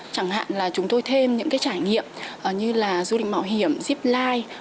chẳng hạn là chúng tôi thêm những trải nghiệm như du lịch mạo hiểm zip line